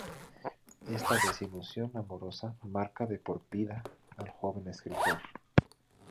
Esta desilusión amorosa marca de por vida al joven escritor.